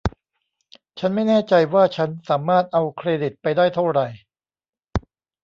ฉันไม่แน่ใจว่าฉันสามารถเอาเครดิตไปได้เท่าไหร่